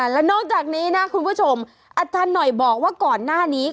แล้วนอกจากนี้นะคุณผู้ชมอาจารย์หน่อยบอกว่าก่อนหน้านี้